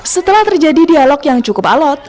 setelah terjadi dialog yang cukup alot